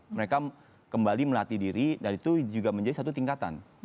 mereka kembali melatih diri dan itu juga menjadi satu tingkatan